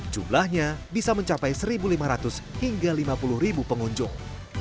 jumlahnya bisa mencapai satu lima ratus hingga lima puluh ribu pengunjung